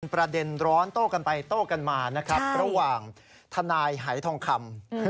ประเด็นร้อนโต้กันไปโต้กันมานะครับระหว่างทนายหายทองคำ